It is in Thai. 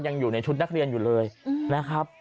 ยังอยู่ในชุดนักเรียนอยู่เลยนะครับ